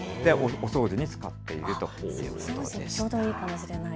お掃除に使っているということです。